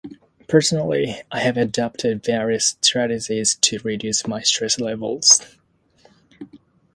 Personally, I have adopted various strategies to reduce my stress levels.